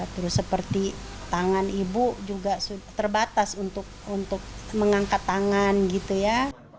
terus seperti tangan ibu juga terbatas untuk mengangkat tangan gitu ya